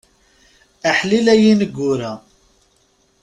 Aḥlil ay ineggura.